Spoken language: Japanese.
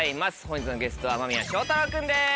本日のゲストは間宮祥太朗君です。